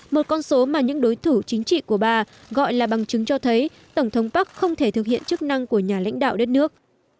một con số mà những đối thủ chính trị của bà gọi là bằng chứng cho thấy tổng thống park không thể thực hiện chức năng của nhà lãnh đạo đất nước